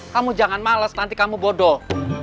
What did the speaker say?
kamu jangan males nanti kamu bodoh